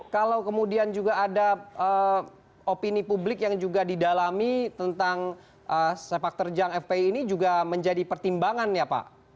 kalau kemudian juga ada opini publik yang juga didalami tentang sepak terjang fpi ini juga menjadi pertimbangan ya pak